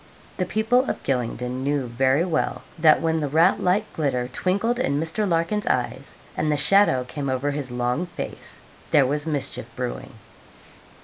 The people of Gylingden knew very well that, when the rat like glitter twinkled in Mr. Larkin's eyes, and the shadow came over his long face, there was mischief brewing.